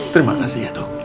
terima kasih ya dok